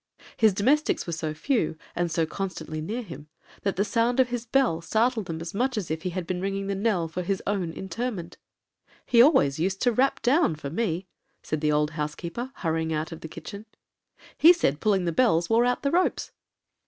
His domestics were so few, and so constantly near him, that the sound of his bell startled them as much as if he had been ringing the knell for his own interment. 'He used always to rap down for me,' said the old housekeeper, hurrying out of the kitchen; 'he said pulling the bells wore out the ropes.'